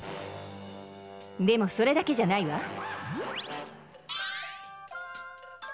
でもそれだけじゃないわ。